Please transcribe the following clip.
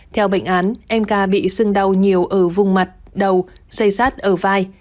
theo bệnh án em ca bị sưng đau nhiều ở vùng mặt đầu dây sát ở vai